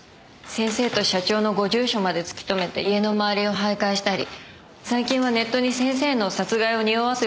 先生と社長のご住所まで突き止めて家の周りを徘徊したり最近はネットに先生の殺害を匂わすような文章まで書き込んでて。